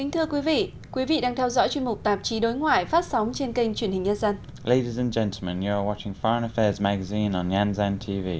thưa quý vị quý vị đang theo dõi chuyên mục tạp chí đối ngoại phát sóng trên kênh truyền hình nhân dân